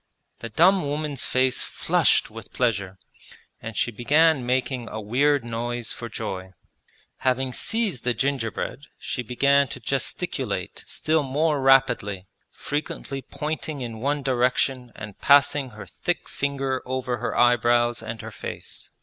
The dumb woman's face flushed with pleasure, and she began making a weird noise for joy. Having seized the gingerbread she began to gesticulate still more rapidly, frequently pointing in one direction and passing her thick finger over her eyebrows and her face.